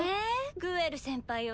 グエル先輩は。